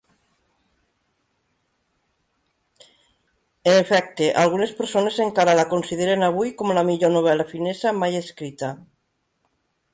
En efecte, algunes persones encara la consideren avui com a la millor novel·la finesa mai escrita.